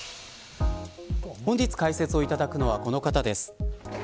本日、解説いただくのはこの方です。